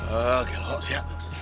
eh gelok si aba